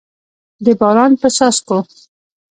د باران په څاڅکو